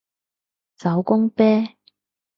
手工啤